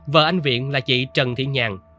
vợ anh viện là chị trần thị nhàng